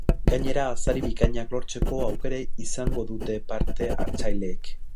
Gainera, sari bikainak lortzeko aukera izango dute parte hartzaileek.